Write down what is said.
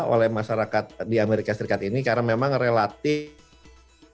oleh masyarakat di amerika serikat ini karena memang relatif